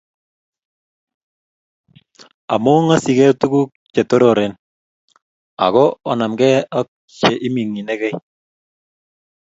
Among'asyige tuguk che tororen , ago onamge ak che iming'inegei.